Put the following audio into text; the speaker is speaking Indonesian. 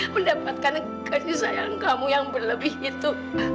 mendapatkan kasih sayang kamu yang berlebih itu